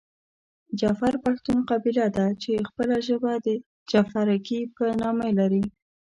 جعفر پښتون قبیله ده چې خپله ژبه د جعفرکي په نامه لري .